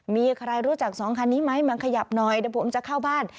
มีใครรู้จักสองคันนี้ไหมมาขยับหน่อยเดี๋ยวผมจะเข้าบ้าน